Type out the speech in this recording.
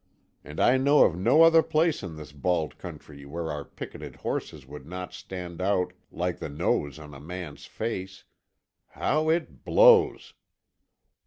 And I know of no other place in this bald country where our picketed horses would not stand out like the nose on a man's face. How it blows!"